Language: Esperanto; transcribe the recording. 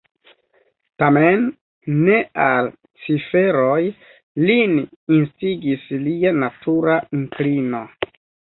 Tamen ne al ciferoj lin instigis lia natura inklino.